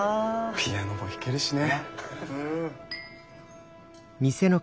ピアノも弾けるしね。